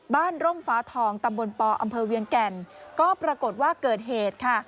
ร่มฟ้าทองตำบลปอำเภอเวียงแก่นก็ปรากฏว่าเกิดเหตุค่ะ